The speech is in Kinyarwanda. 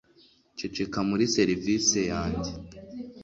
Ceceka muri serivisi yanjye